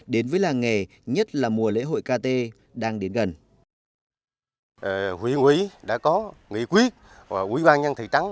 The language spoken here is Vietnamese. đến với làng nghề nhất là mùa lễ hội kt đang đến gần